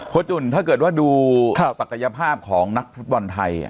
จุ่นถ้าเกิดว่าดูศักยภาพของนักฟุตบอลไทย